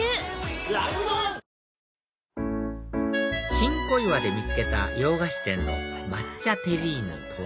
新小岩で見つけた洋菓子店の抹茶テリーヌとは？